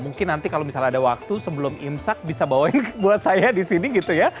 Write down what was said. mungkin nanti kalau misalnya ada waktu sebelum imsak bisa bawain buat saya di sini gitu ya